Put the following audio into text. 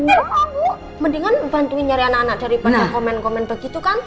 mendingan bantuin nyari anak anak daripada komen komen begitu kan